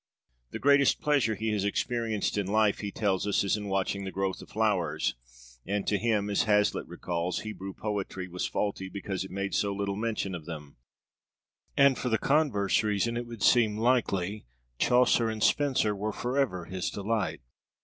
The greatest pleasure he has experienced in life, he tells us, is in watching the growth of flowers; and to him as Hazlitt recalls Hebrew poetry was faulty because it made so little mention of them; and for the converse reason, it would seem likely, Chaucer and Spenser were forever his delight.